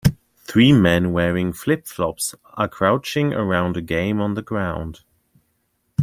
Three men wearing flipflops are crouching around a game on the ground